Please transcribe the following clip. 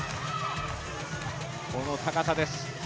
この高さです。